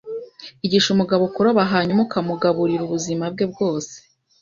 Igisha umugabo kuroba hanyuma ukamugaburira ubuzima bwe bwose.